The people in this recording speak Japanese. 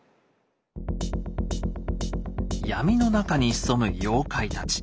闇の中に潜む妖怪たち。